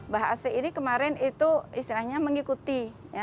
bah asih ini kemarin itu istilahnya mengikuti